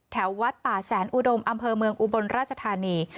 วัดป่าแสนอุดมอำเภอเมืองอุบลราชธานี